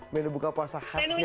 menu buka puasa khasnya di sana